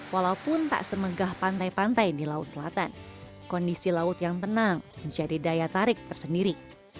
walaupun tak semegah pantai pantai di laut selatan kondisi laut yang tenang menjadi daya tarik tersendiri